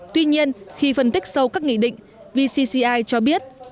tuy nhiên khi phân tích sâu các nghị định vcci cho biết